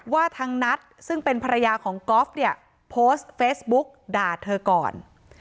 ว่าทางนัทซึ่งเป็นภรรยาของกอล์ฟเนี่ยโพสต์เฟซบุ๊กด่าเธอก่อน